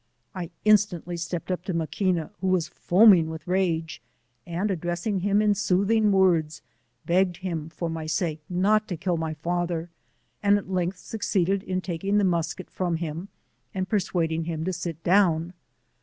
I instantly stepped up to Maquina, who was foaming with rage," and addressing him in soothing words, begged him for my sake not to kill my father, and at length suc eeeded in taking the musket from him and persua ding him to sit dawn.